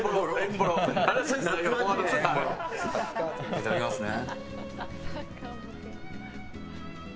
いただきますね。